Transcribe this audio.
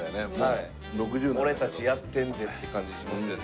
俺たちやってるぜって感じしますよね。